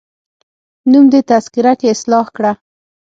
نوم دي تذکره کي اصلاح کړه